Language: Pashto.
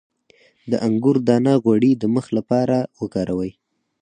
د انګور دانه غوړي د مخ لپاره وکاروئ